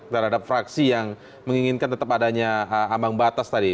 terhadap fraksi yang menginginkan tetap adanya ambang batas tadi